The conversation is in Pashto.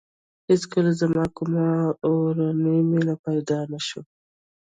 هېڅکله زما کومه اورنۍ مینه پیدا نه شوه.